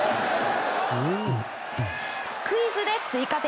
スクイズで追加点。